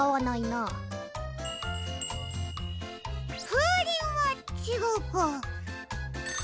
ふうりんはちがうか。